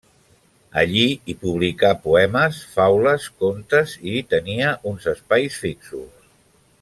Allí hi publicà poemes, faules, contes i hi tenia uns espais fixos.